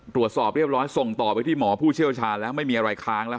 ตรวจสอบเรียบร้อยส่งต่อไปที่หมอผู้เชี่ยวชาญแล้วไม่มีอะไรค้างแล้ว